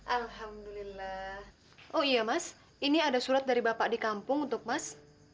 alhamdulillah oh iya mas ini ada surat dari bapak di kampung untuk mas